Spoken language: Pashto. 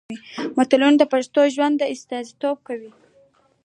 متلونه د پښتنو د ژوند استازیتوب کوي